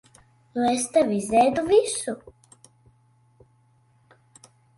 Nu es tev izēdu visu.